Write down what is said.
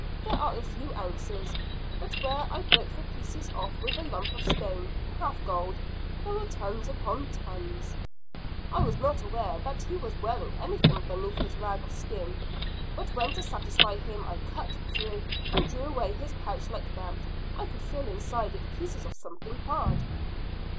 There are a few ounces, but where I broke the pieces off with a lump of stone half gold there were tons upon tons.' "I was not aware that he was wearing anything beneath his rags of skin, but when to satisfy him I cut through and drew away his pouch like belt, I could feel inside it pieces of something hard."